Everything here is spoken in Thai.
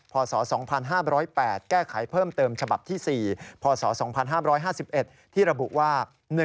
พศ๒๕๐๘แก้ไขเพิ่มเติมฉบับที่๔พศ๒๕๕๑ที่ระบุว่า